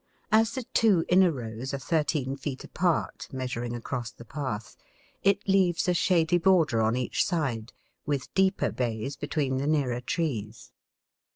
As the two inner rows are thirteen feet apart measuring across the path, it leaves a shady border on each side, with deeper bays between the nearer trees.